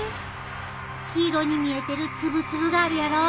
黄色に見えてるつぶつぶがあるやろ？